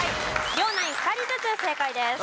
両ナイン２人ずつ正解です。